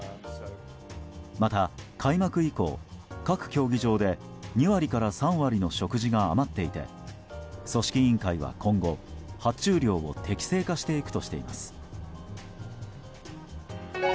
また、開幕以降各競技場で２割から３割の食事が余っていて組織委員会は今後、発注量を適正化していくとしています。